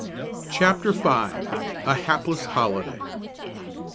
CHAPTER V. A HAPLESS HOLIDAY.